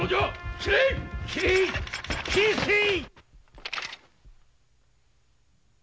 斬れ斬り捨てい‼